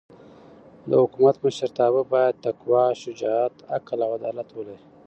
د حکومت مشرتابه باید تقوا، شجاعت، عقل او عدالت ولري.